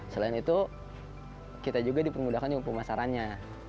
selain itu kita juga dipermudahkan pemasarannya